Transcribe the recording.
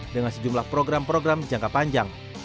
dengan sejumlah program program jangka panjang